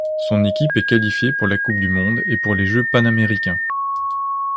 Son équipe est qualifiée pour la Coupe du Monde et pour les Jeux panaméricains.